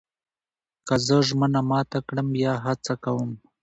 که زه ژمنه مات کړم، بیا هڅه کوم.